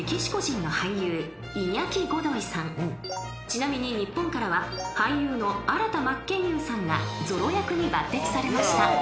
［ちなみに日本からは俳優の新田真剣佑さんがゾロ役に抜てきされました］